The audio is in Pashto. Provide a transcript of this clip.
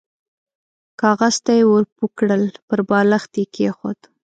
کاغذ ته يې ور پوه کړل، پر بالښت يې کېښود.